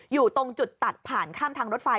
อยู่ตรงจุดตัดผ่านข้ามทางรถไฟ